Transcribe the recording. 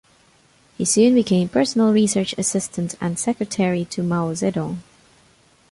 He soon became personal research assistant and secretary to Mao Zedong.